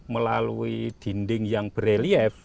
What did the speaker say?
melalui dinding yang berelief